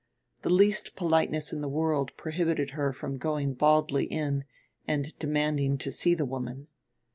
The least politeness in the world prohibited her from going baldly in and demanding to see the woman.